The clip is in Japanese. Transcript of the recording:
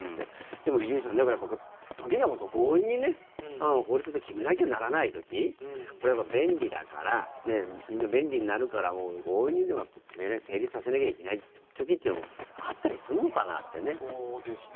でも、伊集院さん時には強引に法律で決めなきゃならない時これはやっぱり便利だからみんな便利になるから強引にでも決めないと成立させなきゃいけない時もそうですね。